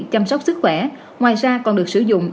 chăm sóc sức khỏe ngoài ra còn được sử dụng